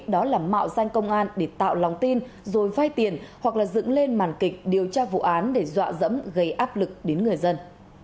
đó là mạo danh công an để tạo lòng tin rồi vai tiền hoặc là dựng lên màn kịch điều tra vụ án để dọa dẫm gây áp lực đến người dân